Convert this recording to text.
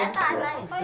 cái gì vậy